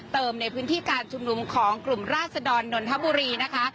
ในพื้นที่การชุมนุมของกลุ่มราศดรนนทบุรีนะคะ